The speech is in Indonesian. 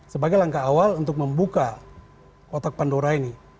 sebagai langkah awal untuk membuka kotak pandora ini